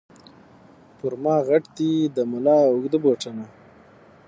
پر ما غټ دي د مُلا اوږده بوټونه